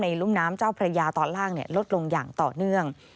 รุ่มน้ำเจ้าพระยาตอนล่างลดลงอย่างต่อเนื่อง